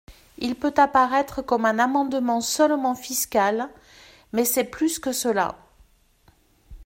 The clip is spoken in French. Il peut apparaître comme un amendement seulement fiscal, mais c’est plus que cela.